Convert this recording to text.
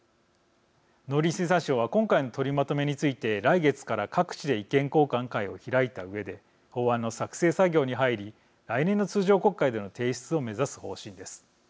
農林水産省は今回の取りまとめについて来月から各地で意見交換会を開いたうえで法案の作成作業に入り来年の通常国会での提出を目指す方針です。